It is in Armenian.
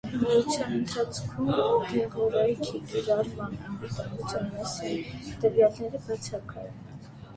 Հղիության ընթացքում դեղորայքի կիրառման անվտանգության մասին տվյալները բացակայում են։